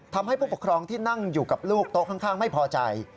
ผู้ปกครองที่นั่งอยู่กับลูกโต๊ะข้างไม่พอใจ